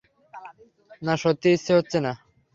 না, সত্যিই ইচ্ছে হচ্ছে না।